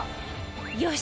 よし！